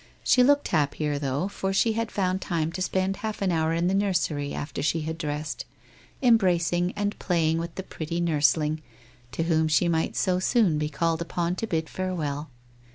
She looked happier, though, for she had found time to spend half an hour in the nursery after she had dressed, embracing and playing with the pretty nurs ling, to whom she might so soon be called upon to bid farewell.